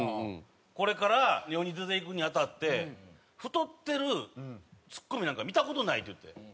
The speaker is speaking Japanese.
「これから世に出ていくに当たって太ってるツッコミなんか見た事ない」って言って。